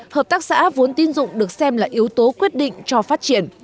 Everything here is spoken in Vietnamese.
hợp tác xã vốn tín dụng được xem là yếu tố quyết định cho phát triển